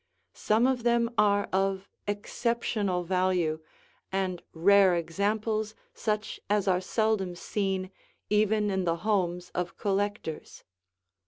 Some of them are of exceptional value and rare examples such as are seldom seen even in the homes of collectors.